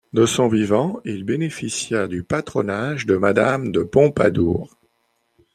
De son vivant, il bénéficia du patronage de Madame de Pompadour.